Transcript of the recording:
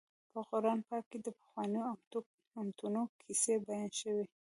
په قران پاک کې د پخوانیو امتونو کیسې بیان شوي.